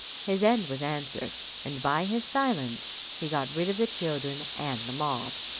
His end was answered, and by his silence he got rid of the children and the mob.